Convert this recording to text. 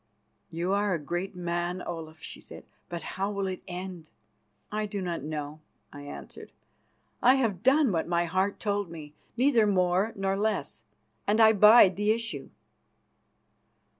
"You are a great man, Olaf," she said; "but how will it end?" "I do not know," I answered. "I have done what my heart told me, neither more nor less, and I bide the issue.